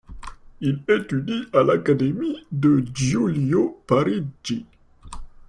Il étudie à l'académie de Giulio Parigi.